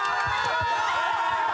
やった！